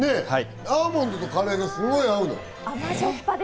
アーモンドとカレーがよく合う。